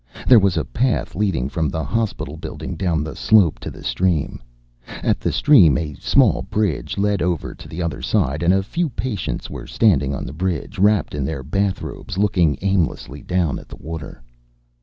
There was a path leading from the hospital building down the slope to the stream. At the stream a small bridge led over to the other side, and a few patients were standing on the bridge, wrapped in their bathrobes, looking aimlessly down at the water.